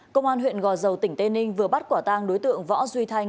công an huyện gò dầu tỉnh tây ninh vừa bắt quả tang đối tượng võ duy thanh